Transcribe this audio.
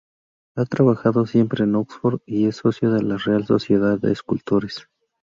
Ha trabajado siempre en Oxford y es socio de la Real Sociedad de Escultores.